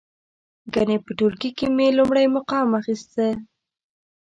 ګنې په ټولګي کې مې لومړی مقام اخسته.